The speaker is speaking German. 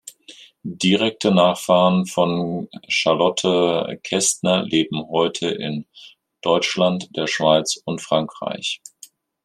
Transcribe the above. Direkte Nachfahren von Charlotte Kestner leben heute in Deutschland, der Schweiz und Frankreich.